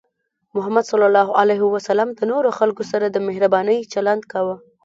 محمد صلى الله عليه وسلم د نورو خلکو سره د مهربانۍ چلند کاوه.